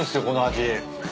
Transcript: この味。